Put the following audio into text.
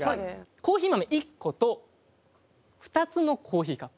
コーヒー豆１個と２つのコーヒーカップ。